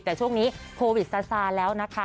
แต่ช่วงนี้โควิดซาซาแล้วนะคะ